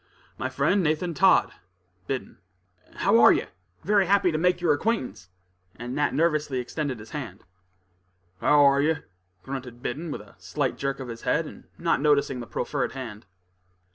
"My friend, Nathan Todd, Biddon." "How are you? Very happy to make your acquaintance," and Nat nervously extended his hand. "How're yer?" grunted Biddon, with a slight jerk of his head, and not noticing the proffered hand.